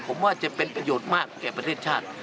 ผมว่าจะเป็นประโยชน์มากแก่ประเทศชาติ